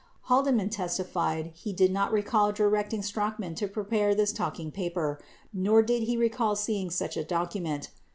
15 Haldeman testified he did not recall directing Strachan to prepare this talking paper, nor did he recall seeing such a document.